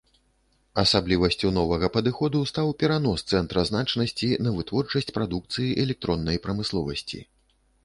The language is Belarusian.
Асаблівасцю новага падыходу стаў перанос цэнтра значнасці на вытворчасць прадукцыі электроннай прамысловасці.